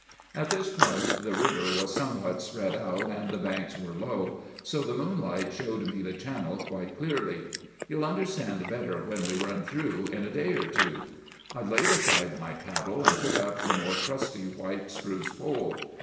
"At this point the river was somewhat spread out, and the banks were low, so the moonlight showed me the channel quite clearly. You'll understand better when we run through in a day or two. I laid aside my paddle and took up the more trusty white spruce pole.